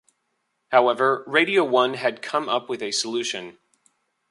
However, Radio One had come up with a solution.